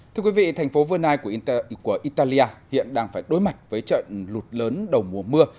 thưa quý vị thành phố veni của italia hiện đang phải đối mặt với trận lụt lớn đầu mùa mưa